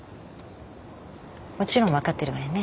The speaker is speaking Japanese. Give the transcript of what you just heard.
もちろん分かってるわよね？